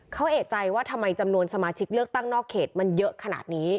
เขาเอกใจว่าทำไมจำนวนสมาชิกเลือกตั้งนอกเขตมันเยอะขนาดนี้